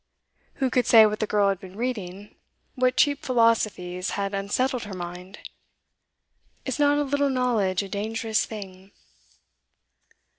Who could say what the girl had been reading, what cheap philosophies had unsettled her mind? Is not a little knowledge a dangerous thing?